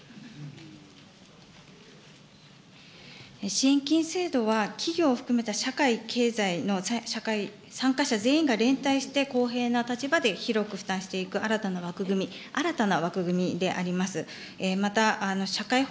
しんきん制度は企業を含めた社会、経済、参加者全員の連帯して公平な立場で広く負担していく新たな枠組み、新たな枠組みであります。